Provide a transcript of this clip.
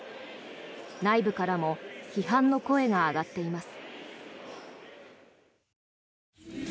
内部からも批判の声が上がっています。